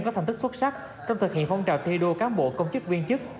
có thành tích xuất sắc trong thực hiện phong trào thi đua cán bộ công chức viên chức